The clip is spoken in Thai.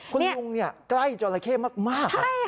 คุณลุงใกล้จอละเข้มากค่ะ